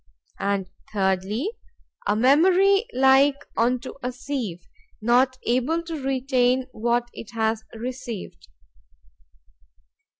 And thirdly, a memory like unto a sieve, not able to retain what it has received.